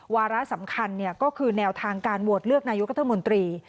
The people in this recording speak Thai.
วาระสำคัญก็คือแนวทางการโหวตเลือกนายกรัฐมนตรี